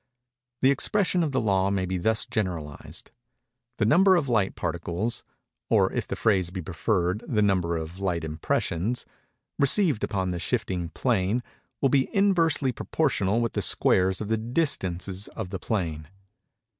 The expression of the law may be thus generalized:—the number of light particles (or, if the phrase be preferred, the number of light impressions) received upon the shifting plane, will be inversely proportional with the squares of the distances of the plane.